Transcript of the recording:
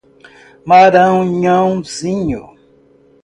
Maranhãozinho